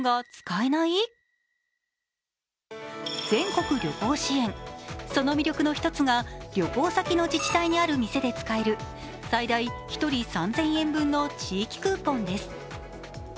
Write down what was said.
全国旅行支援、その魅力の１つが旅行先の自治体にある店で使える最大１人３０００円分の地域クーポンです。